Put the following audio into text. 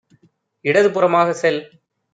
இடதுபுறமாக செல்